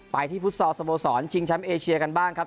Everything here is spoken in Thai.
ไปที่ฟุตซอลสโมสรชิงแชมป์เอเชียกันบ้างครับ